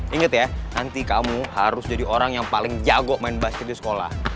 ingat ya nanti kamu harus jadi orang yang paling jago main basket di sekolah